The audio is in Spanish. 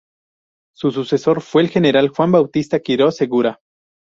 Su sucesor fue el General Juan Bautista Quirós Segura.